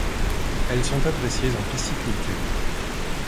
Elles sont appréciées en pisciculture.